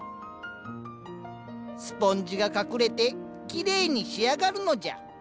スポンジが隠れてきれいに仕上がるのじゃ。